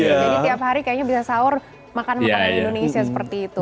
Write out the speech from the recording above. jadi tiap hari kayaknya bisa sahur makan makan indonesia seperti itu